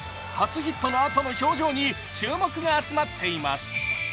初ヒットのあとの表情に注目が集まっています。